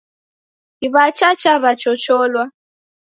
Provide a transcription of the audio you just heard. Kiw'acha chaw'achocholwa.